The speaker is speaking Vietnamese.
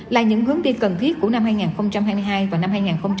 là những hướng đi cần thiết của năm hai nghìn hai mươi hai và năm hai nghìn hai mươi năm